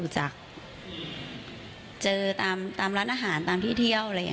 เจอตามร้านอาหาร